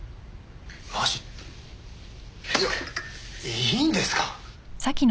いいんですか？